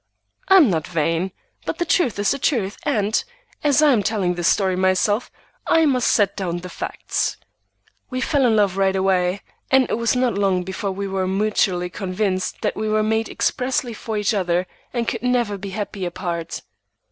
I am not vain, but the truth is the truth; and, as I am telling this story myself, I must set down the facts. We fell in love right away, and it was not long before we were mutually convinced that we were made expressly for each other and could never be happy apart.